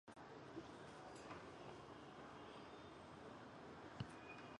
这种四座单翼飞机是世界上第一架全金属客机。